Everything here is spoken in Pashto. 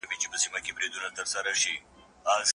د کاغذ او رنګ معلومول د ساینس برخه ده.